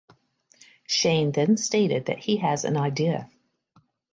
Shane then stated that he has an idea.